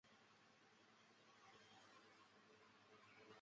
毛绞股蓝为葫芦科绞股蓝属下的一个种。